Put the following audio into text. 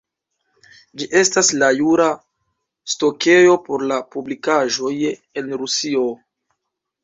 Ĝi estas la jura stokejo por la publikaĵoj en Rusio.